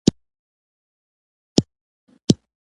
ځنګنونه يې پر وړو تيږو ولګېدل،